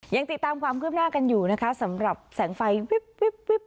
ยังติดตามความคืบหน้ากันอยู่นะคะสำหรับแสงไฟวิบวิบ